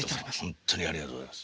ほんとにありがとうございます。